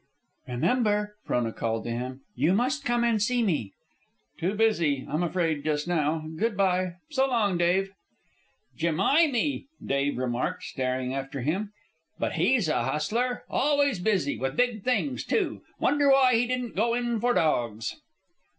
"Remember," Frona called to him, "you must come and see me." "Too busy, I'm afraid, just now. Good by. So long, Dave." "Jemimy!" Dave remarked, staring after him; "but he's a hustler. Always busy with big things, too. Wonder why he didn't go in for dogs?"